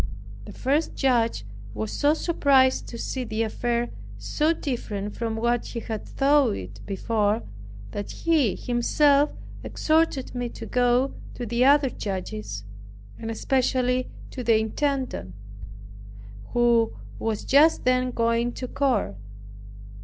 The first judge was so surprised to see the affair so different from what he had thought it before, that he himself exhorted me to go to the other judges, and especially to the intendant, who was just then going to court.